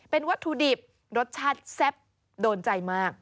เป็นวัตถุดิบรสชาติแซ่บโดนใจมาก